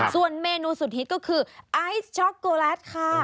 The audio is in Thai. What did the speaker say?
ส่วนเมนูสุดฮิตก็คือไอซ์ช็อกโกแลตค่ะ